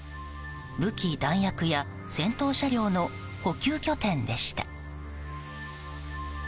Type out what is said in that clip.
武器弾薬や戦闘車両の補給拠点でした。